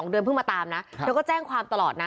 กลายชื่อถ้าเธอก็จังความตลอดนะ